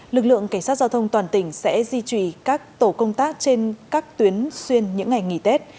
lực lượng cảnh sát giao thông toàn tỉnh sẽ duy trì các tổ công tác trên các tuyến xuyên những ngày nghỉ tết